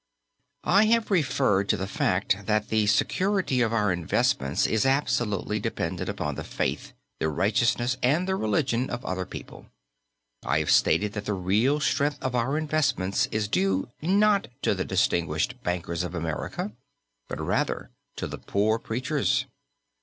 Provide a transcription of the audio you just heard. I have referred to the fact that the security of our investments is absolutely dependent upon the faith, the righteousness and the religion of other people. I have stated that the real strength of our investments is due, not to the distinguished bankers of America, but rather to the poor preachers.